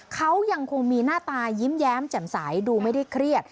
เขายังคงมีหน้าตายิ้มแย้มแจ่มใสดูไม่ได้เครียด